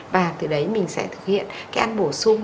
và từ đấy mình sẽ thực hiện cái ăn bổ sung